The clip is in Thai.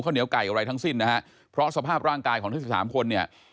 เหนียวไก่อะไรทั้งสิ้นนะฮะเพราะสภาพร่างกายของทั้งสิบสามคนเนี่ย